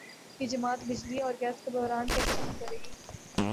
یہ جماعت بجلی اور گیس کا بحران کیسے ختم کرے گی؟